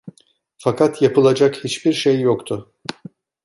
Fakat yapılacak hiçbir şey yoktu.